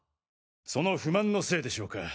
その不満のせいでしょうか。